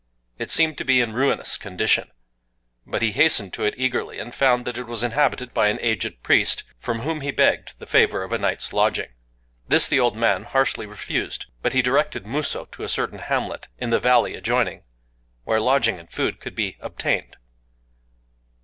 It seemed to be in ruinous condition; but he hastened to it eagerly, and found that it was inhabited by an aged priest, from whom he begged the favor of a night's lodging. This the old man harshly refused; but he directed Musō to a certain hamlet, in the valley adjoining where lodging and food could be obtained.